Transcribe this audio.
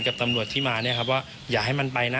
กับตำรวจที่มาเนี่ยครับว่าอย่าให้มันไปนะ